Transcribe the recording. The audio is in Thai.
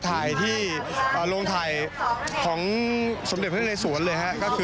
ถ่ายที่โรงถ่ายของสมเด็จพระนัยสวนเลยครับ